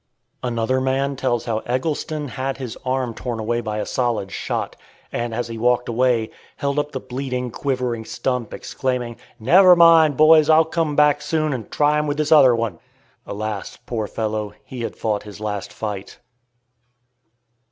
Another man tells how Eggleston had his arm torn away by a solid shot, and, as he walked away, held up the bleeding, quivering stump, exclaiming, "Never mind, boys; I'll come back soon and try 'em with this other one." Alas! poor fellow, he had fought his last fight.